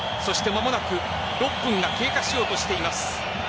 間もなく６分が経過しようとしています。